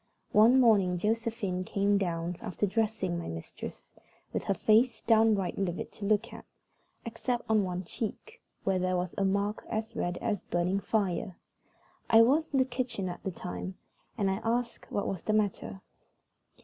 One morning Josephine came down after dressing my mistress with her face downright livid to look at, except on one check, where there was a mark as red as burning fire. I was in the kitchen at the time, and I asked what was the matter.